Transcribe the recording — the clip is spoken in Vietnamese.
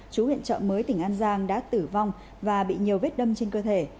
chú huyện trợ mới tỉnh an giang đã tử vong và bị nhiều vết đâm trên cơ thể